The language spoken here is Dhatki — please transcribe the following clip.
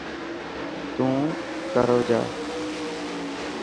تون ڪرو جا.